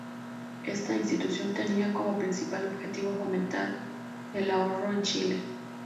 Esta institución tenía como principal objetivo, fomentar el ahorro en Chile.